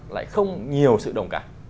lại không nhiều sự đồng cảm